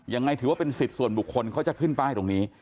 ยังไงถือว่าเป็นสิทธิ์ส่วนบุคคลเขาจะขึ้นป้ายตรงนี้